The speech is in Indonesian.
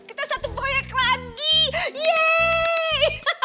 kita satu proyek lagi yeay